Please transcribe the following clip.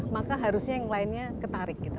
maka harusnya yang lainnya ketarik gitu